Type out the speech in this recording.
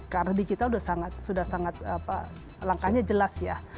karena digital sudah sangat langkahnya jelas ya